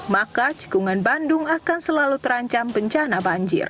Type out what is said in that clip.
maka cekungan bandung akan selalu terancam bencana banjir